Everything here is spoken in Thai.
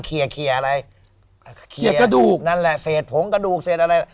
เคลียร์เคลียร์อะไรเคลียร์กระดูกนั่นแหละเศษผงกระดูกเศษอะไร